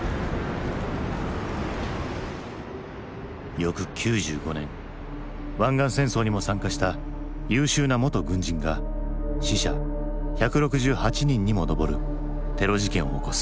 翌９５年湾岸戦争にも参加した優秀な元軍人が死者１６８人にも上るテロ事件を起こす。